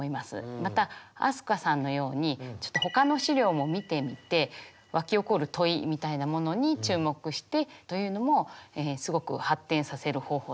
また飛鳥さんのようにちょっと他の資料も見てみてわき起こる問いみたいなものに注目してというのもすごく発展させる方法だと思います。